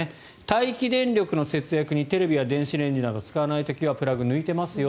待機電力の節約にテレビや電子レンジなどを使わない時はプラグを抜いていますよ。